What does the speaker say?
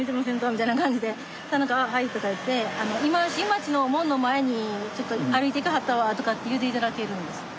みたいな感じでそしたら何か「あっはい」とか言って「今新町の門の前にちょっと歩いていきはったわ」とかって言うて頂けるんですよ。